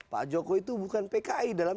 pak jokowi itu bukan pki dalam